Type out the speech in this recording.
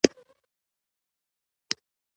د یادونو ږغ له زړه سره خبرې کوي.